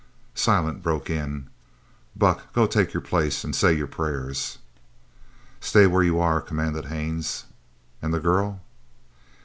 Silent broke in: "Buck, go take your place and say your prayers." "Stay where you are!" commanded Haines. "And the girl?"